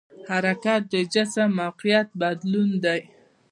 حرکت د جسم موقعیت بدلون دی.